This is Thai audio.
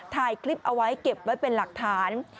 ถ่ายคลิปเอาไว้เก็บไว้เป็นหลักฐาน